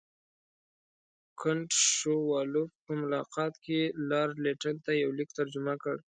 کنټ شووالوف په ملاقات کې لارډ لیټن ته یو لیک ترجمه کړ.